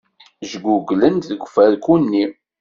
Jguglent deg ufarku-nni.